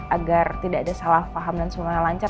agar tidak ada salah faham dan semuanya lancar